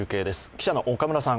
記者の岡村さん